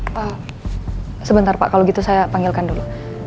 pak sebentar pak kalau gitu saya panggilkan dulu